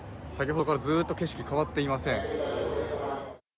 先ほどからずっと景色、変わっていません。